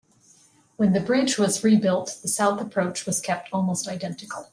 When the bridge was rebuilt, the south approach was kept almost identical.